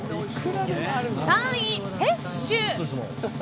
３位、ペッシュ。